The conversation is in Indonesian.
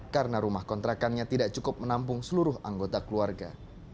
karena rumah kontrakannya tidak cukup menampung seluruh anggota keluarga